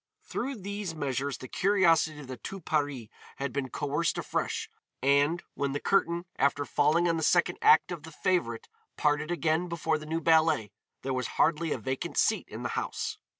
Through these measures the curiosity of the Tout Paris had been coerced afresh, and, when the curtain, after falling on the second act of the "Favorite" parted again before the new ballet, there was hardly a vacant seat in the house.